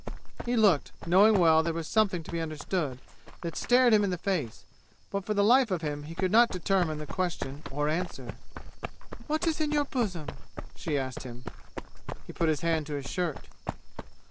He looked, knowing well there was something to be understood, that stared him in the face. But for the life of him he could not determine question or answer. "What is in your bosom?" she asked him. He put his hand to his shirt.